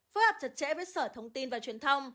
phối hợp chặt chẽ với sở thông tin và truyền thông